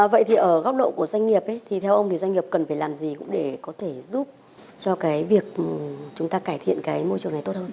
vậy thì ở góc độ của doanh nghiệp thì theo ông thì doanh nghiệp cần phải làm gì cũng để có thể giúp cho cái việc chúng ta cải thiện cái môi trường này tốt hơn